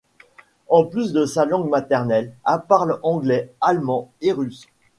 En plus de sa langue maternelle, elle parle anglais, allemand et russe.